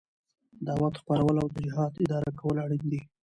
دعوت خپرول او د جهاد اداره کول اړين دي.